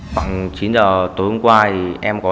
khoảng chín giờ tối hôm qua em có